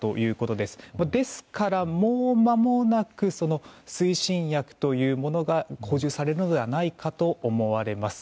ですから、もうまもなく推進薬というものが補充されるのではないかと思われます。